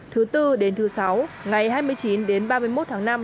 thứ bốn đến thứ sáu ngày hai mươi chín đến ba mươi một tháng năm năm hai nghìn một mươi chín